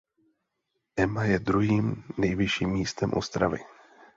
Ema je druhým nejvyšším místem Ostravy.